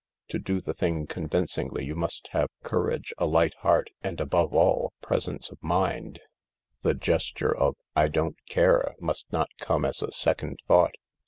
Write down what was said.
To do the thing convincingly you must have courage, a light heart, and, above all, presence of mind. The gesture of " I don't care " must not come as a second thought.